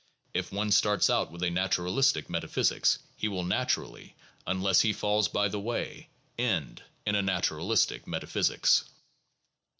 " If one starts out with a naturalistic meta physics, he will naturally, unless he falls by the way, end in a naturalistic metaphysics.